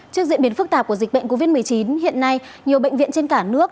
trước diễn biến phức tạp của dịch bệnh covid một mươi chín hiện nay nhiều bệnh viện trên cả nước